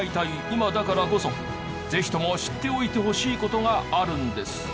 今だからこそぜひとも知っておいてほしい事があるんです。